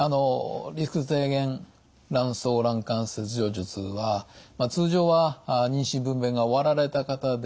リスク低減卵巣卵管切除術は通常は妊娠・分べんが終わられた方で考慮されます。